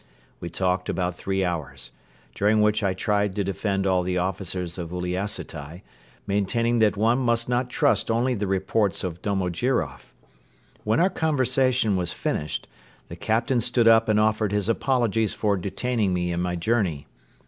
We talked about three hours, during which I tried to defend all the officers of Uliassutai, maintaining that one must not trust only the reports of Domojiroff. When our conversation was finished, the Captain stood up and offered his apologies for detaining me in my journey.